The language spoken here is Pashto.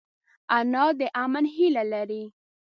انا د امن هیله لري